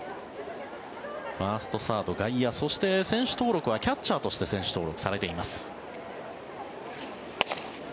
ファースト、サード、外野そして選手登録はキャッチャーとして選手登録されています。